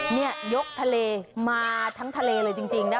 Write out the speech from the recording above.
นี่ยกทะเลมาทั้งทะเลเลยจริงนะ